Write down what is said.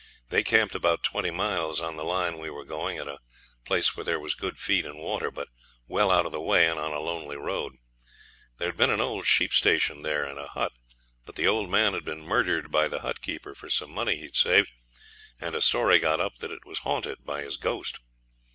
They camped about twenty miles on the line we were going, at a place where there was good feed and water, but well out of the way and on a lonely road. There had been an old sheep station there and a hut, but the old man had been murdered by the hut keeper for some money he had saved, and a story got up that it was haunted by his ghost.